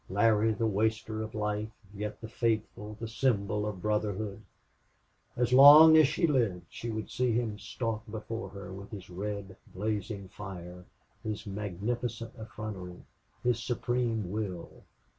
Larry, the waster of life, yet the faithful, the symbol of brotherhood. As long as she lived she would see him stalk before her with his red, blazing fire, his magnificent effrontery, his supreme will.